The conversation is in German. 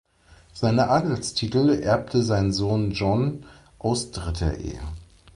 Seine Adelstitel erbte sein Sohn John aus dritter Ehe.